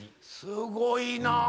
すごいなぁ。